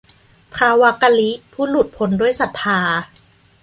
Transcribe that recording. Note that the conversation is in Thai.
พระวักกลิ ผู้หลุดพ้นด้วยศรัทธา